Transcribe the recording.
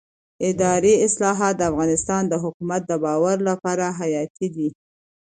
اداري اصلاحات د افغانستان د حکومت د باور لپاره حیاتي دي